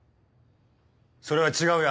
それは違うよ